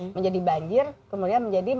menjadi banjir kemudian menjadi